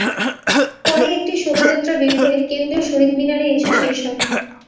পরে একটি শোভাযাত্রা বের হয়ে কেন্দ্রীয় শহীদ মিনারে এসে শেষ হয়।